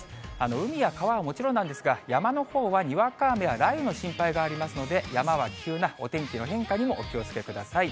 海や川はもちろんなんですが、山のほうはにわか雨や雷雨の心配がありますので、山は急なお天気の変化にもお気をつけください。